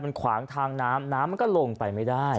มันขวางทางน้ำน้ำมันก็ลงไปไม่ได้